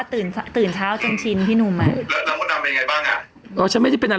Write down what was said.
ถ้าจะตายเธอยังไม่มีหรอก